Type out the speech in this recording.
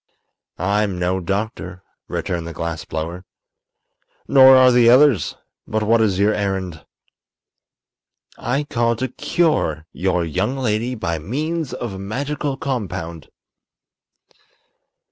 "I'm no doctor," returned the glass blower. "Nor are the others. But what is your errand?" "I called to cure your young lady by means of a magical compound."